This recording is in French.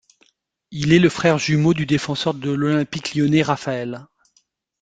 Il est le frère jumeau du défenseur de l'Olympique lyonnais Rafael.